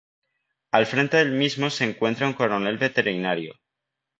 Al frente del mismo se encuentra un coronel veterinario.